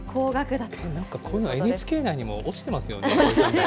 なんかこういうのＮＨＫ内にも落ちてますよね。